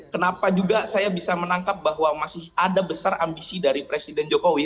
kenapa juga saya bisa menangkap bahwa masih ada besar ambisi dari presiden jokowi